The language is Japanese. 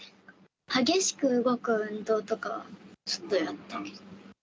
激しく動く運動とかは、ちょっとやってないけど。